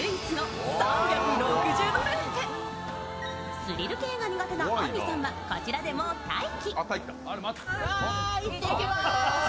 スリル系が苦手なあんりさんはこちらでも待機。